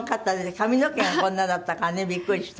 髪の毛がこんなだったからねビックリした。